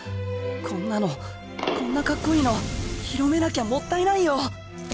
こんなのこんなかっこいいの広めなきゃもったいないよ！